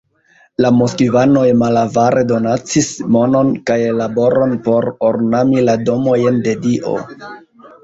La moskvanoj malavare donacis monon kaj laboron por ornami la domojn de Dio.